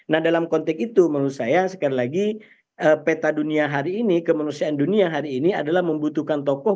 nah dalam konteks itu menurut saya sekali lagi peta dunia hari ini kemanusiaan dunia hari ini adalah membutuhkan tokoh